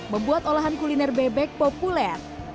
membuat olahan kuliner bebek populer